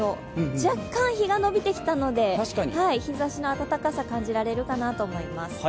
若干日がのびてきたので、日ざしの暖かさ感じられるかと思います。